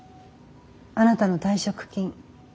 あなたの退職金。